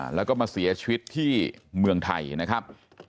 แล้วก็มาเสียชีวิตที่เมืองไทยนะครับ